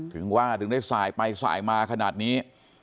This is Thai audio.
ถึงว่าถึงได้สายไปสายมาขนาดนี้